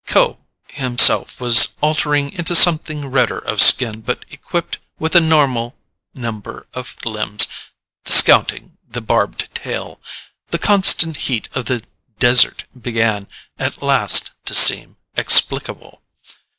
Kbo himself was altering into something redder of skin but equipped with a normal number of limbs, discounting the barbed tail. The constant heat of the "desert" began, at last, to seem explicable.